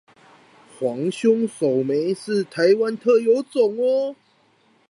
黃胸藪眉是臺灣特有種喔！